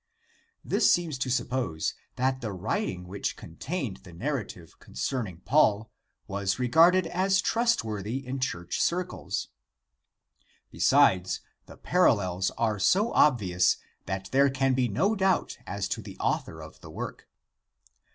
This seems to suppose that the writing which contained the narra tive concerning Paul was regarded as trustworthy in Church circles. Besides, the parallels are so obvious that there can be no doubt as to the author of the work.